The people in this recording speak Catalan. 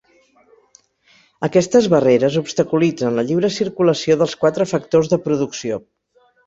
Aquestes barreres obstaculitzen la lliure circulació dels quatre factors de producció.